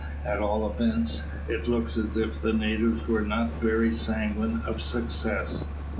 At all events, it looks as if the natives were not very sanguine of success.